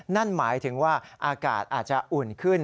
นั่นหมายถึงว่าอากาศอาจจะอุ่นขึ้น